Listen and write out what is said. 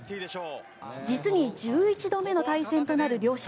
実に１１度目の対戦となる両者。